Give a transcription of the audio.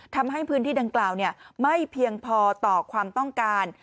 ทำให้พื้นที่ดังกล่าวไม่เพียงพอต่อความต้องการ